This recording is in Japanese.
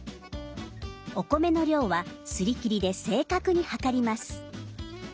お米の量はすりきりで正確に量ります。